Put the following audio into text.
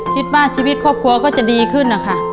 คิดว่าชีวิตครอบครัวก็จะดีขึ้นนะคะ